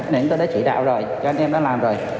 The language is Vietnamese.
nên tôi đã chỉ đạo rồi cho anh em đã làm rồi